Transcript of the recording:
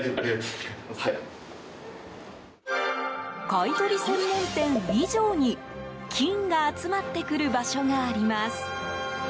買い取り専門店以上に金が集まってくる場所があります。